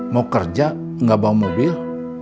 mau kerja nggak bawa mobil